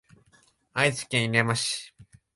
愛知県犬山市